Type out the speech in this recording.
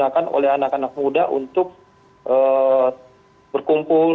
yang digunakan oleh anak anak muda untuk berkumpul